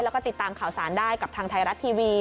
แล้วก็ติดตามข่าวสารได้กับทางไทยรัฐทีวี